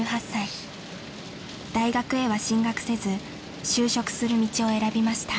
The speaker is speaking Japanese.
［大学へは進学せず就職する道を選びました］